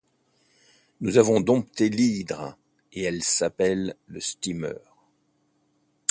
Nous avons dompté l'hydre, et elle s'appelle le steamer.